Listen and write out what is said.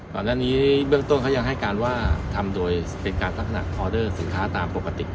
ก่อนหน้านี้เบื้องต้นเขายังให้การว่าทำโดยเป็นการลักษณะออเดอร์สินค้าตามปกติ